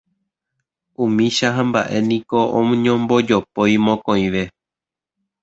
Umícha hamba'e niko oñombojopói mokõive.